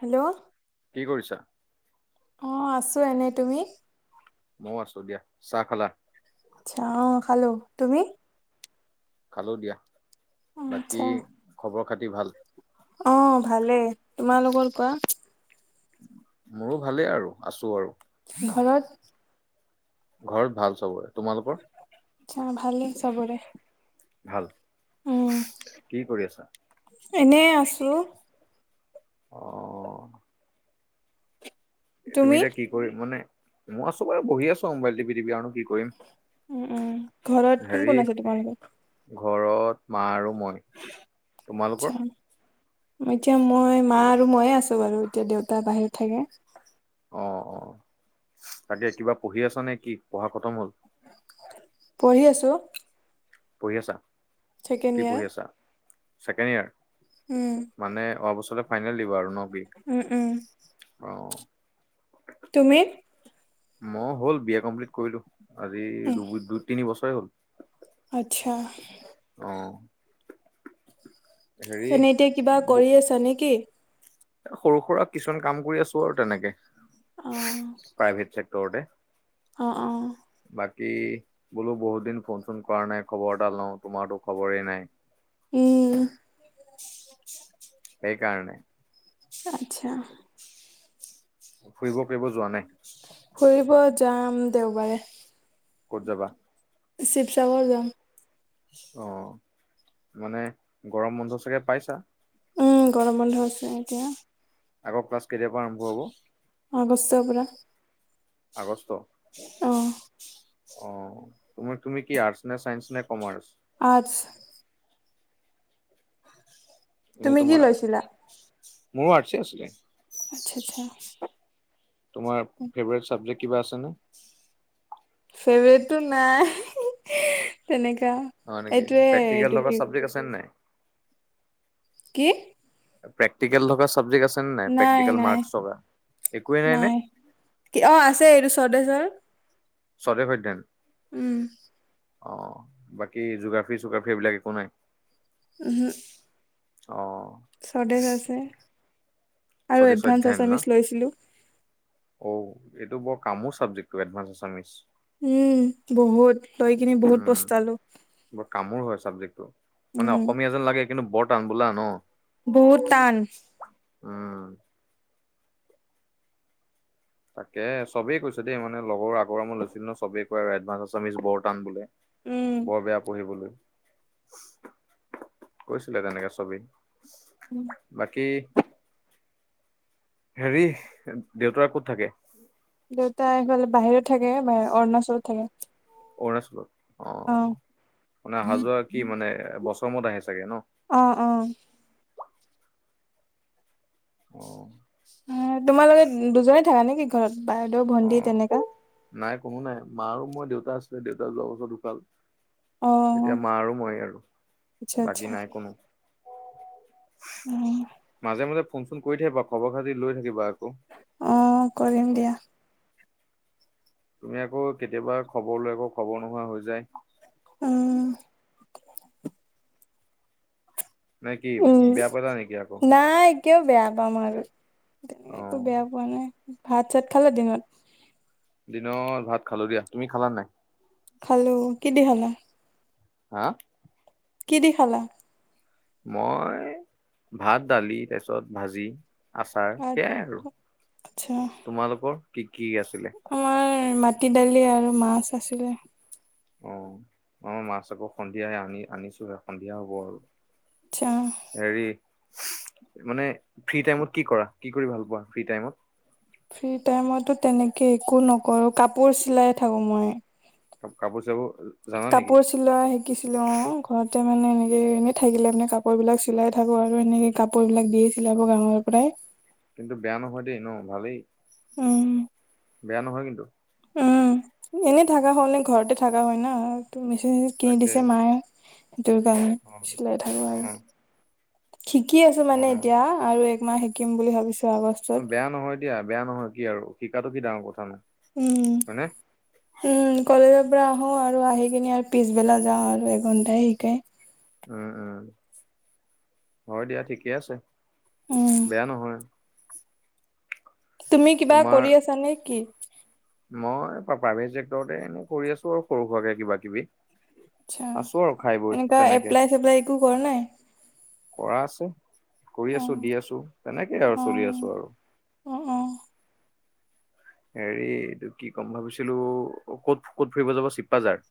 Hello কি কৰিছা? অহ আছোঁ এনেই তুমি? মও আছোঁ দিয়া। চাহ খালা? চাহ অঁ খালো। তুমি? খালো দিয়া। অ আচ্ছা বাকী খবৰ খাতি ভাল? অহ ভালে, তোমালোকৰ কোৱা? মোৰো ভালেই আৰু আছোঁ আৰু। ঘৰত? ঘৰত ভাল চবৰে। তোমালোকৰ? আচ্ছা, ভালে চবৰে। ভাল, কি কৰি আছা? এনেই আছোঁ। অ' এ তুমি এতিয়া কি কৰি মানে, মই আছোঁ বাৰু বহি আছোঁ আৱ মোবাইল টিপি টিপি আৰু নো কি উম উম ঘৰত কৰিম কোন কোন হেৰী আছে তোমালোকৰ ঘৰত মা আৰু মই। তোমালোকৰ? আতচ্ছা। মই এতিয়া মই মা আৰু ময়ে আছোঁ বাৰু এতিয়া দেউতা বাহিৰত থাকে। অঁ অঁ তাকে কিবা পঢ়ি আছা নেকি, পঢ়া খতম হ'ল? পঢ়ি আছোঁ। পঢ়ি আছা? ছেকেণ্ড কি ইয়াৰ পঢ়ি আছা? Second year? উম। মানে অহা বছৰত ফাইনেল দিব আৰু ন কি? উম উম। অঁ। তুমি? মই হ'ল বি এ কমপ্লিট কৰিলোঁ আজি দু দুই তিনি বছৰে হ'ল। আতচ্ছা। অঁ। তেনে এতিয়া কিবা কৰি আছা নেকি? এ সৰু সুৰা কিছুমান কাম কৰি আছোঁ আৰু তেনেকে। অঁহ। সেই টেক্টৰতে। অঁ অঁ। বাকী বোলো বহুত দিন ফোন চোন কৰা নাই খবৰ এটা লওঁ তোমাৰতো খবৰে নাই। উম। সেই কাৰণে আতচ্ছা। ফুৰিব কৰিব যোৱা নাই? ফুৰিব যাম দেওবাৰে। ক'ত যাবা? শিৱসাগৰ যাম। অঁ মানে গৰম বন্ধ চাগে পাইছা? উম গৰম বন্ধ আছে এতিয়া। আকৌ ক্লাছ কেতিয়াৰ পৰা আৰম্ভ হ'ব? আগষ্টৰ পৰা। আগষ্ট? অঁহ। অঁ তুমি তুমি কি আৰ্টচ নে চাইন্স নে কমাৰ্চ? আচ্ছা। এনেই তুমি কি তোমাৰ, লৈছিলা মোৰো আৰ্টচে আছিলে। আচ্ছা-আচ্ছা। তোমাৰ ফেভৰেট চাবজেক্ট কিবা আছেনে? ফেভৰেটটো নাই, তেনেকা। হয় নেকি, এইটোৱে এইটো প্ৰেকটিকেল কি লগা চাবজেক্ট আছে নে নাই? কি? প্ৰেক্টিকেল থকা চাবজেক্ট আছে নে নাই, প্ৰেক্টিকেল মাৰ্ক্স থকা একোৱে নাই নে? কি অ, আছে এইটো স্বদেশ্বৰ। স্বদেশ অধ্যান? উম, অ, বাকি জুগ্ৰাফি-চুগ্ৰাফি এইবিলাক একো নাই? উম, হু। অ', স্বদেশ আছে, আৰু স্বদেশ এডভান্স আছামিছ লৈছিলো। ঔ, এইটো বৰ কামোৰ চাবজেক্টটো, এডভান্স আছামিছ। উম, বহুত লৈ কিনে বহুত উম, পস্তালো। বৰ কামোৰ হয় চাবজেক্টটো, মানে উম অসমীয়া যেন লাগে কিন্তু বৰ টান বোলা ন। বহুত টান। উম, তাকে চবেই কৈছে দেই মানে লগৰ আগৰ মই লৈছিলো ন, চবেই ক'য় আৰু এডভাঞ্চ আসামিছ বৰটান বোলে বৰ উম বেয়া পঢ়িবলৈ কৈছিলে তেনেকে চবেই। বাকি হেৰি দেউতা ক'ত থাকে? দেউতা সেইফালে বাহিৰত থাকে, অৰুণাচলত থাকে। অৰুণাচলত অ, মানে আহা যোৱা কি মানে বছৰ মূৰত আহে চাগে ন? অ', অ', অ', তোমালোকে দুজনে থাকা নেকি? ঘৰত বাইদেউ, অ ভণ্টি তেনেকা। নাই কোনো নাই মা আৰু মই দেউতা আছিলে দেউতা যোৱা বছৰ ধুকাল। এতিয়া অ', মা আৰু মই আৰু আচ্ছা আচ্ছা বাকী নাই কোনো। উম, মাজে-মাজে ফোন-চোন কৰি থাকিবা খবৰ খাতি লৈ থাকিবা আকৌ। অ, কৰিম দিয়া। তুমি আকৌ কেতিয়াবা খবৰ লৈ, আকৌ খবৰ নোহোৱা হৈ যায়। উম, নে কি উম, বেয়া পালা নেকি আকৌ? নাই কিয় বেয়া পাম আৰু অ তেনেকে একো বেয়া পো পোৱা নাই ভাত-চাত খালে দিনত? দিনৰ ভাত খালো দিয়া, তুমি খালা নে নাই? খালো। কি দি খালা? হা? কি দি খালা? মই ভাত, দালি, তাৰপিছত ভাজি। আচাৰ সেয়াই আৰু আচ্ছা তোমালোকৰ কি-কি আছিলে? আমাৰ মাটি দালি আৰু মাছ আছিলে। অ', অ', মাছ আকৌ সন্ধিয়া আনি আনিছোহে সন্ধিয়া হ'ব আৰু। আচ্ছা হেৰি মানে ফ্ৰী টাইমত কি কৰা। কি কৰি ভাল পোৱা ফ্ৰী টাইমত? ফ্ৰী টাইমতটো তেনেকে একো নকৰো কাপোৰ চিলাই থাকো মই। কাপো', -কাপোৰ চিলাব জানা নেকি? কাপোৰ চিলোৱা শিকিছিলোঁ অহ', ঘৰতে মানে এনেকে এনেই থাকিলে মানে কাপোৰবিলাক চিলাই থাকোঁ আৰু এনেকে', কাপোৰ বিলাক দিয়েই চিলাব গাঁৱৰ মানুহবিলাক', কিন্তু বেয়া ন'হয় দেই ন ভালেই', উম', বেয়া ন'হয় কিন্তু', উম', এনেই থাকা হ'লে ঘৰতে থাকা হয় না, ত মেচিন কিনি তাকে দিছে মায়ে', সেইটোৰ কাৰণে, অ চিলাই থাকোঁ অ আৰু, শিকি আছোঁ মানে এতিয়া', অ আৰু এক মাহ শিকিম বুলি ভাবিছোঁ আগষ্ট', বেয়া ন'হয় দিয়া বেয়া ন'হয় কি আৰু শিকাটো কি ডাঙৰ কথা নো', উম', হয়নে? উম', কলেজৰ পৰা আহো আৰু আহি কিনে আৰু পিছবেলা যাওঁ আৰু এঘন্টাই শিকাই', উম', - উম', হয় দিয়া ঠিকে আছে, উম বেয়া ন'হয়', তুমি কিবা তোমাৰ কৰি আছা নে কি? মই প্ৰাই', -প্ৰাইভেট চেক্টৰতে এনে কৰি আছোঁ আৰু সৰু সুৰাকে কিবা কিবি', আচ্ছা, আছো আৰু খাই বৈ এনেকা তেনেকে এপ্লাই - চেপ্লাই একো কৰা নাই? কৰা আছে, কৰি অ আছোঁ, দি আছোঁ, তেনেকেই আৰু অ', চলি আছোঁ আৰু', অ', - অহ', হেৰি এইটো কি ক'ম ভাবিছিলোঁ ক'ত - ক'ত ফুৰিব যাব চিপ্পাঝাৰ?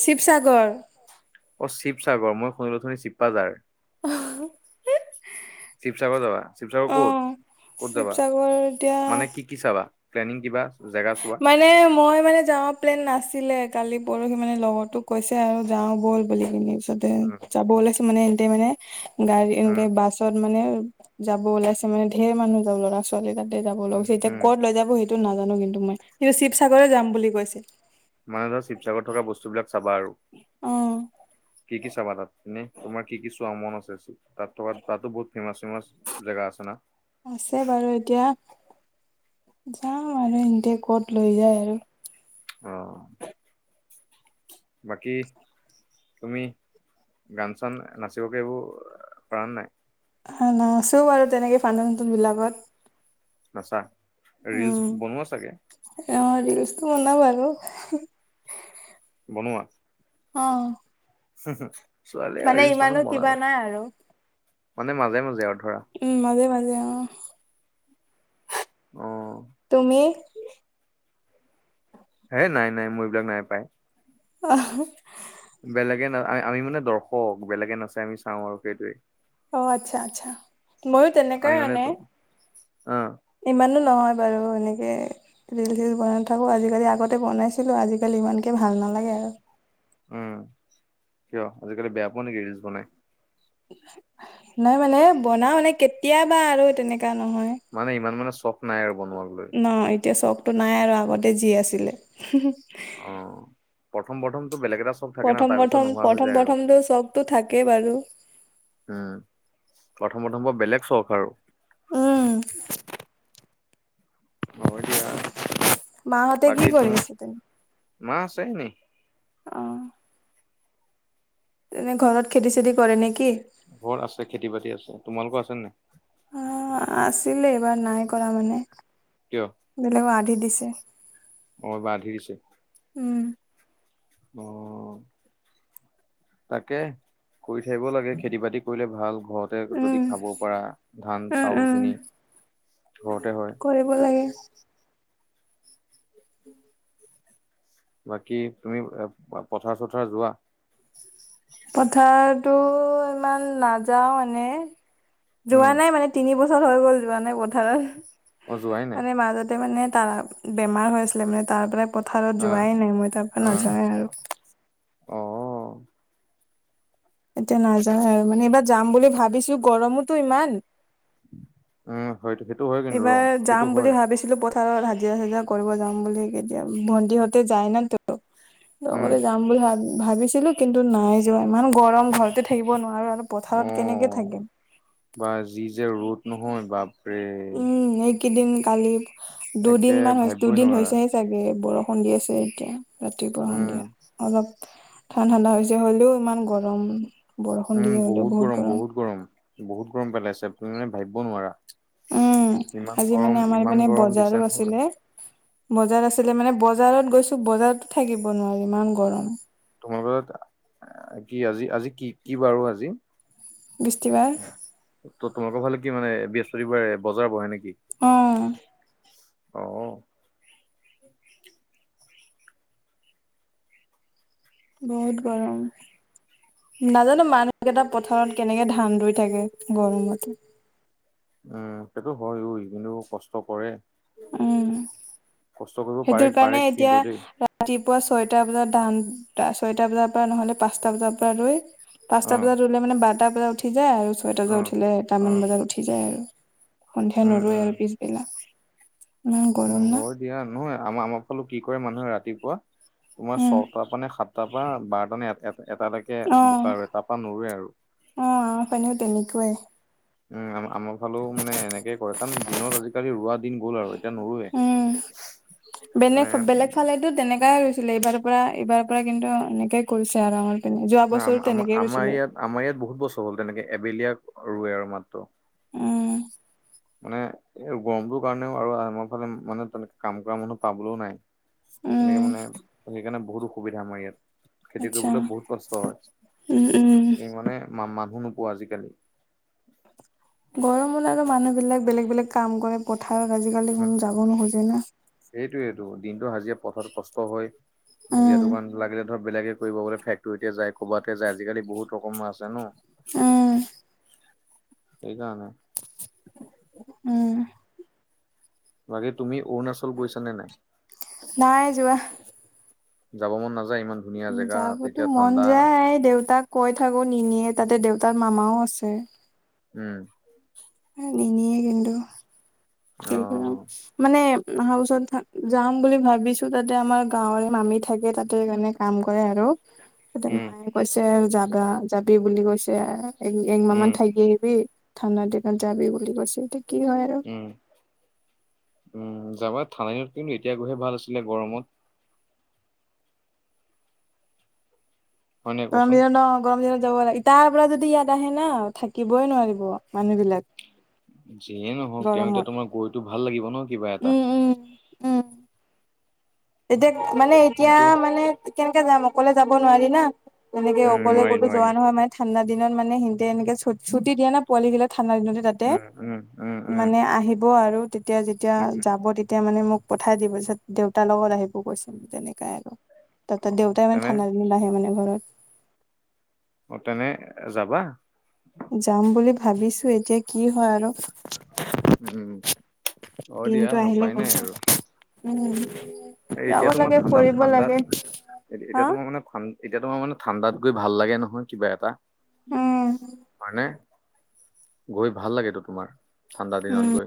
শিৱসাগৰ', অ', শিৱসাগৰ মই শুনিলোঁ অথনি চিপ্পাঝাৰ', অহ', হিঃ', শিৱসাগৰ যাবা, শিৱসাগৰ ক'ত, ক'ত যাবা শিৱসাগৰ এতিয়া মানে কি? কি চাবা, প্লেনিং কিবা, জেগা চোৱা? মানে মই মানে যাওঁ প্লেনিং নাছিলে কালি পৰহি মানে লগৰতোক কৈছে আৰু যাওঁ ব'ল', বুলি এনে, পিছতে উম যাব ওলাইছে মানে ইহঁতে মানে গাড়ী এনকে উম বাছ', তাত মানে যাব ওলাইছে মানে ধেৰ মানুহ যাব ল'ৰা - ছোৱালী তাতে যাব লৈ গৈছে এতিয়া উম ক'ত লৈ যাব সিহঁতে', এইটো নাজানোঁ কিন্তু মই, সিহঁতে শিৱসাগৰে যাম বুলি কৈছে', মানে ধৰা শিৱসাগৰত থকা বস্তুবিলাক', চাবা আৰু, অ', কি - কি চাবা তাত, এনে তোমাৰ কি - কি চোৱা', চোৱাৰ মন আছে, শিৱসা', তাত থকা তাতো বহুত ফেমাচ-ফেমাচ জেগা আছে না? আছে বাৰু এতিয়া, যাম আৰু সিহঁতে ক'ত লৈ যায় আৰু', অহ', বাকী? তুমি, গান- চান, নাচিব - কাৰিব পাৰা নাই? হয়, নাচো বাৰু তেনেকে [unintelligible] নাচা, ৰিলচ উম। বনোৱা চাগে? অ', ৰিলচতো বনাও বাৰু হু', বনোৱা? অ', হুহু', ছোৱালীয়ে আৰু ৰিলচ মানে ইমানো কিবা বনালে, নাই আৰু। মানে মাজে - মাজে আৰু ধৰা', উম', মাজে - মাজে অহ', অহ', তুমি? হে নাই - নাই, মোৰ এইবিলাক নাই পাই', আ', -হা', বেলেগে না, আই', -আই', -আমি মানে দৰ্শক, বেলেগে নাচে আমি চাওঁ আৰু সেইটোৱে', অ', আচ্ছা- আচ্ছা, ময়ো আমি তেনেকুৱাই মানে', তো অ', ইমানো নহয় বাৰু এনেকে', ৰিল-চিল বনাই নাথাকোঁ আজিকালি, আগতে বনাইছিলোঁ। আজিকালি ইমানকে ভাল নালাগে আৰু। উম, কিয় আজিকালি বেয়া পোৱা নেকি ৰিল্চ বনাই? নাই মানে বনাও মানে কেতিয়াবা আৰু তেনেকা নহয়। মানে ইমান মানে চখ নাই আৰু বনুৱাক লৈ। না এতিয়া চখটো নাই আৰু আগতে যি আছিলে। হুহু। অ প্ৰথম প্ৰথমটো বেলেগ এটা চ প্ৰথম প্ৰথম প্ৰথম প্ৰথমটো চখটো থাকেই বাৰু। উম, প্ৰথম প্ৰথমবাৰ বেলেগ চখ আৰু। উম। হয় দিয়া। মাহঁতে কি বাকী কৰি তোমাৰ, আছে তেনে? মা আছে এনেই। অ। এনে ঘৰত খেতি-চেতি কৰে নে কি? ঘৰত আছে খেতি-বাতি আছে। তোমালোকৰ আছে নে নাই? অ আছিলে, এইবাৰ নাই কৰা মানে। কিয়? বেলেগক আধি দিছে। অ এইবাৰ আধি দিছে, উম। অ। তাকে, কৰি থাকিব লাগে। খেতি-বাতি কৰিলে ভাল ঘৰতে যদি উম, খাব পাৰা। ধান, উম, উম, চাউলখিনি ঘৰতে হয়। [unintelligible] ব লাগে। [inaudible] বাকী তুমি পথাৰ-চথাৰ যোৱা? পথাৰতো ইমান নাযাও মানে। যোৱা উম নাই মানে। তিনি বছৰ হৈ গ'ল যোৱা নাই অ পথাৰত। যোৱাই নাই মানে মাজতে মানে তাৰ বেমাৰ হৈ আছিলে মানে তাৰ পৰাই পথাৰত অ যোৱাই নাই মই, তাৰ পৰা অ নাযাৱে আৰু। অ। এতিয়া নাযাওঁ আৰু মানে এইবাৰ যাম বুলি ভাবিছো গৰমোটো ইমান। উম হয়টো সেইটো হয় কিন্তু অ সেইটো হয়। ছিলো পথাৰত হাজিৰা-চাজিৰা কৰিব যাম বুলি কেতিয়া ভন্টিহঁতে যায় ন তো উম লগতে যাম বুলি ভাব ভাবিছিলো, কিন্তু নাই যোৱা। ইমান গৰম ঘৰতে থাকিব নোৱাৰো আৰু অ পথাৰত কেনেকে থাকিম? বা যি যে ৰ'দ নহয় বাপৰে! কেদিন কালি একে দুদিনমান হৈছে ভাবিবই দুদিন নোৱাৰা হৈছেহে। তাকে বৰষুণ দি আছে এতিয়া ৰাতিপুৱা, উম সন্ধিয়া। অলপ ঠাণ ঠাণ্ডা হৈছে, হ'লেও ইমান গৰম। বৰষুণ উম দিয়ে হ'লেও বহুত গৰম, বহুত গৰম। বহুত গৰম পেলাইছে তুমি মানে ভাইব নোৱাৰা। উম, ইমান আজি গৰম, মানে আমাৰ ইমান এইপিনে গৰম দিছে বজাৰো নহয়। আছিলে। বজাৰ আছিলে মানে বজাৰত গৈছো। বজাৰতো থাকিব নোৱাৰি ইমান গৰম। তোমাৰোক কি আজি আজি কি কি বাৰ অ আজি? বিস্তি বাৰ ত তোমালোকৰ ফালে কি মানে বৃহস্পতিবাৰে বজাৰ বহে নে কি? অ। অ। বহুত গৰম। নাজানো মানুহ কেইটা পথাৰত কেনেকে ধান ৰুই থাকে গৰমত। উম সেইটো হয় অ, ই কিন্তু কষ্ট কৰে। উম কষ্ট কৰিব পাৰে, সেইটোৰ পাৰে কাৰণে এতিয়া কিন্তু দেই ৰাতিপুৱা ছয়টা বজাত ধান তা ছয়টা বজাৰ পৰা নহ'লে পাঁচটা বজাৰ পৰা ধৰি পাঁচটা অ', বজাত ৰুলে মানে বাৰটা বজাত উঠি যায় আৰু ছয়টা বজাত অ'। উঠিলে এটামান অ', বজাত উঠি যায় আৰু। সন্ধিয়া উম, নুৰুৱে উম, আৰু পিছবেলা। ইমান গৰম উম, না হয় দিয়া নহয় আমা-আমাৰ ফালে কি কৰে মানুহে ৰাতিপুৱা, তোমাৰ উম ছটা মানে সাত তাপা বাৰটা এট এটা-এটাকে অ বোকা ৰুয়ে তাৰ পৰা নোৰুৱে আৰু। অ', আমাৰ ফালেও তেনেকুৱাই। উম, আম-আম। ফালেও মানে এনেকে কৰে কাৰণ দিনত আজিকালি ৰোৱা দিন গ'ল আৰু, এতিয়া নোঁৰোৱে। উম বেলেগ, বেলেগ ফালে টো তেনেকাই ৰুইছিলে এইবাৰ পৰা এইবাৰ পৰা কিন্তু এনেকে কৰিছে আৰু আমাৰ পিনে যোৱা বছৰো আমাৰ তেনেকেই আমাৰ ৰুইছিলে। ইয়াত আমাৰ ইয়াত বহুত বছৰ হ'ল তেনেকে এবেলিয়া ৰুৱে আৰু মাত্ৰ। উম, মানে, এই গৰমটোৰ কাৰণেও আৰু আমাৰ ফালে মানে তেনেকে কাম কৰা মানুহ পাবলৈও নাই। তেনেকে উম মানে, সেইকাৰণে বহুত অসুবিধা আমাৰ ইয়াত। খেতি আচ্ছা কৰিবলৈ বহুত কষ্ট হয়, উম উম মানে মানুহ নোপোৱা আজিকালি। গৰমৰ লাগে মানুহ বিলাক বেলেগ বেলেগ কাম কৰে। পথাৰত আজিকালি উম, যাব নুখোজে না। সেইটোৱেইটো দিনটো হাজিৰা পথাৰত কষ্ট হয়, উম হাজিৰাটো কাৰণ লাগিলে ধৰ বেলেগ কৰিব গ'লে ফেকট'ৰিতে যায় ক'বতে যায় আজিকালি বহুত ৰকমৰ আছে ন'। উম সেইকাৰণে। উম, বাকি তুমি অৰুণাচল গৈছানে নাই? নাই যোৱা যাব মন নাযায় ইমান? ধুনীয়া উম, জেগা যাবতো তেতিয়া মন ঠাণ্ডা যায় দেউতাক কৈ থাকোঁ নিনিয়ে তাতে দেউতাৰ মামাও আছে। উম, উম, নিনিয়ে কিন্তু, অ [unintelligible] মানে আহা বছৰত যাম বুলি ভাবিছো তাতে আমাৰ গাঁৱৰে মামি থাকে তাতে মানে কাম কৰে আৰু। তাতে উম মায়ে কৈছে যাবা, যাবি বুলি কৈছে এ একমাহ মান উম থাকি বি, ঠাণ্ডা দিনত যাবি বুলি কৈছে এতিয়া কি হয় আৰু। উম উম, যাবা ঠাণ্ড দিনত কিন্তু এতিয়া গৈহে ভাল আছিলে গৰমত। হয় নাই গৰম কোৱাচোন? দিনত ন' গৰম দিনত যাব লাগে তাৰ পৰা যদি ইয়াত আহে ন' থাকিবই নোৱাৰিব, মানুহ বিলাক। যিয়ে নহওক এতিয়া গৰমত তোমাৰ গৈতো ভাল লাগিব ন' কিবা এটা। উম উম উম তেতিয়া, মানে এতিয়া কিন্তু মানে কেনে-কেনকে যাম অকলে যাব নোৱাৰি না। তেনেকে উম অকলে নোৱাৰি ক'তো নোৱাৰি যোৱা নহয় ইমান। ঠাণ্ডা দিনত মানে সিহতে এনেক ছু- ছুটি দিয়ে না পোৱালি ঠাণ্ডা দিনতে। যাতে, উম উম উম উম মানে আহিব আৰু তেতিয়া যেতিয়া উম যাব তেতিয়া মানে মোক পঠাই দিব ছত দেউতাৰ লগত আহিব কৈছিল, তেনেকাই। তাত দেউতাই মানে তেনে ঠাণ্ডা দিনত নাহে মানে ঘৰত। অ', তেনে, যাবা। যাম বুলি ভাবিছো এতিয়া কি হয় আৰু। উম, অ, দিয়া দিনটো আহিলে উপায় গম নাই পাম আৰু। উম, এ যাব এতিয়া তোমাৰ লাগে ফুৰিব ঠাণ্ডাত-ঠাণ্ডাত লাগে হা এতিয়া তোমাৰ মানে শান্তি এতিয়া তোমাৰ মানে ঠাণ্ডাত গৈ ভাল লাগে নহয় কিবা এটা। উম মানে, গৈ ভাল লাগেতো তোমাৰ, ঠাণ্ডা উম। দিনত গৈ।